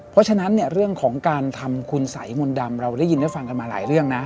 เพราะฉะนั้นเนี่ยเรื่องของการทำคุณสัยมนต์ดำเราได้ยินได้ฟังกันมาหลายเรื่องนะ